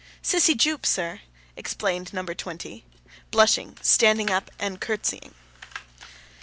'Sissy Jupe, sir,' explained number twenty, blushing, standing up, and curtseying.